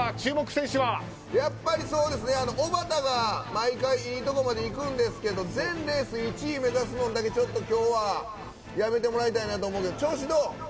やっぱりおばたが毎回いいところまでいくんですけど全レース１位目指すのだけちょっと今日はやめてもらいたいなと思うけど。